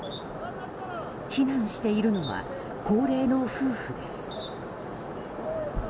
避難しているのは高齢の夫婦です。